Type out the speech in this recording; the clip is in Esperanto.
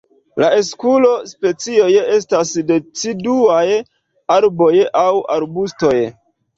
La Eskulo-specioj estas deciduaj arboj aŭ arbustoj.